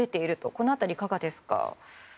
この辺りいかがですか。